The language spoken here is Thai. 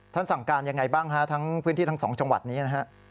สั่งการยังไงบ้างฮะทั้งพื้นที่ทั้งสองจังหวัดนี้นะฮะ